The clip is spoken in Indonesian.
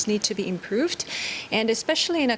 di mana ada kelembagaan kecil perkahwinan